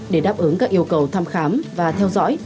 để đáp ứng các yêu cầu thăm khám và theo dõi